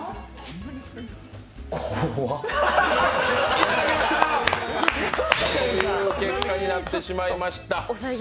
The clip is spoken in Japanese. いただきました！という結果になってしまいました。